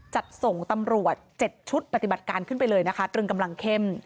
จัดส่งตำรวจ๗ชุดปฏิบัติการขึ้นไปเลยนะคะตรึงกำลังเข้ม